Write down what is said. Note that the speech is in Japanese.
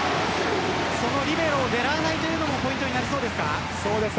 そのリベロを狙わないのもポイントになりそうですか。